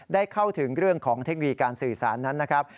ได้เข้าถึงเรื่องของเทคโนโลยีการสื่อสารนั้นนะครับ